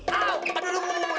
aduh aduh sakit